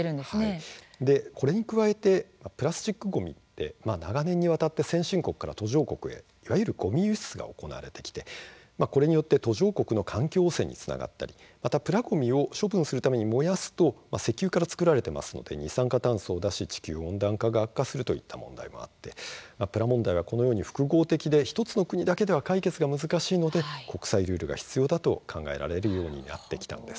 これに加えてプラスチックごみって長年にわたって先進国から途上国へ、いわゆるごみ輸出が行われてきて、これによって途上国の環境汚染につながったりプラごみを処分するために燃やすと石油から作られているため二酸化炭素を出すので地球温暖化が悪化するという問題もあってプラ問題は複合的で１つの国だけでは解決が難しいので国際ルールが必要だと考えられるようになったんです。